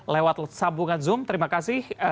lewat sambungan zoom terima kasih